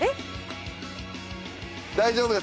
大丈夫や。